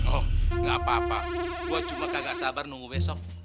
oh gak apa apa buat cuma kagak sabar nunggu besok